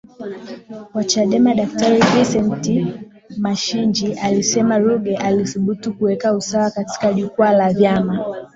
wa Chadema Daktari Vicent Mashinji alisema Ruge alithubutu kuweka usawa katika jukwaa kwa vyama